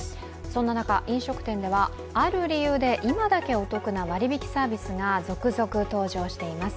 そんな中、飲食店では、ある理由で今だけお得な割り引きサービスが続々登場しています。